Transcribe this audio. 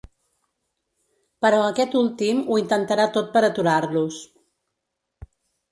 Però aquest últim ho intentarà tot per aturar-los.